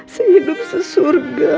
sehidup sesuai dengan allah